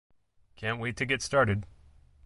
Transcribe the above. Can't wait to get started!'.